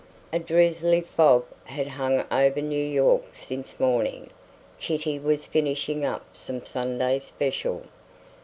A drizzly fog had hung over New York since morning. Kitty was finishing up some Sunday special.